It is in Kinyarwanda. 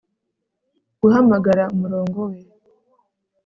Guhamagara umurongo we